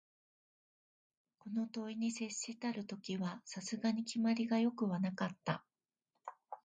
この問に接したる時は、さすがに決まりが善くはなかった